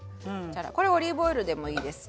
これオリーブオイルでもいいです。